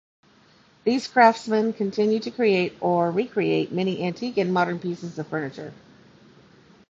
These craftsmen continue to create or recreate many antique and modern pieces of furniture.